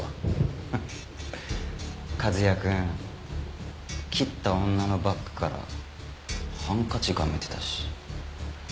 フッ和哉くん切った女のバッグからハンカチがめてたし。